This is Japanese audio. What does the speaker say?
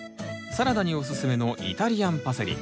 サラダにおすすめのイタリアンパセリ。